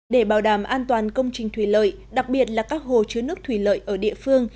để bảo đảm an toàn công trình thủy lợi đặc biệt là các hồ chứa nước thủy lợi ở địa phương